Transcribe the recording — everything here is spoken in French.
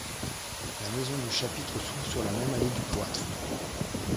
La maison du chapitre s'ouvre sur la même allée du cloître.